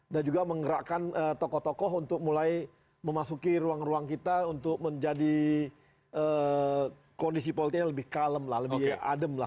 dan juga menggerakkan tokoh tokoh untuk mulai memasuki ruang ruang kita untuk menjadi kondisi politiknya lebih kalem lebih adem